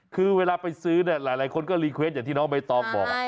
คือเวลาไปซื้อหลายคนก็รีเวสอย่างที่น้องไม้ต้องบอก